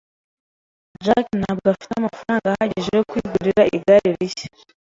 Jack ntabwo afite amafaranga ahagije yo kwigurira igare rishya.